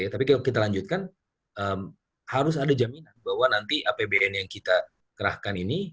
tapi kalau kita lanjutkan harus ada jaminan bahwa nanti apbn yang kita kerahkan ini